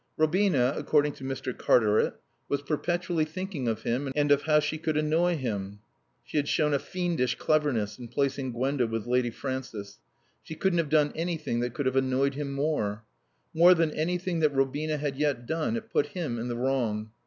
Robina, according to Mr. Cartaret, was perpetually thinking of him and of how she could annoy him. She had shown a fiendish cleverness in placing Gwenda with Lady Frances. She couldn't have done anything that could have annoyed him more. More than anything that Robina had yet done, it put him in the wrong.